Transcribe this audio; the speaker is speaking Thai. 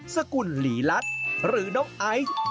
สกุลหลีลัดหรือน้องไอซ์